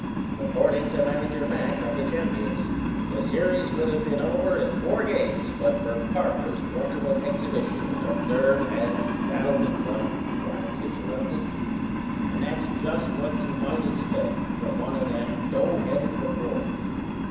According to Manager Mack, of the champions, the series would have been over in four games but for Parker's wonderful exhibition of nerve and " "That'll be a plenty," Grimes interrupted. "And that's just what you might expect from one o' them doughheaded reporters.